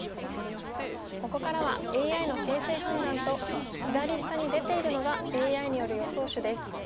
ここからはＡＩの形勢判断と左下に出ているのがＡＩによる予想手です。